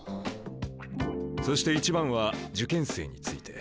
そして一番は受験生について。